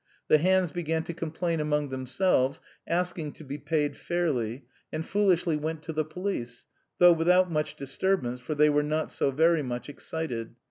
The hands began to complain among themselves, asking to be paid fairly, and foolishly went to the police, though without much disturbance, for they were not so very much excited.